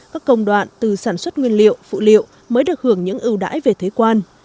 các công đoạn từ sản xuất nguyên liệu phụ liệu mới được hưởng những ưu đãi về thuế quan